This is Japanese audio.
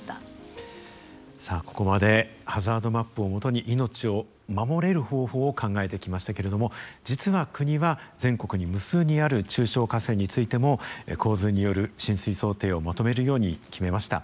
さあここまでハザードマップを基に命を守れる方法を考えてきましたけれども実は国は全国に無数にある中小河川についても洪水による浸水想定をまとめるように決めました。